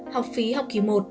học phí học kỷ i